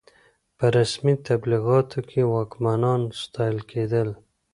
په رسمي تبلیغاتو کې واکمنان ستایل کېدل.